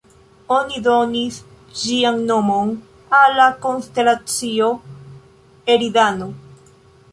Oni donis ĝian nomon al la konstelacio Eridano.